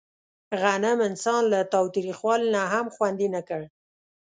غنم انسان له تاوتریخوالي نه هم خوندي نه کړ.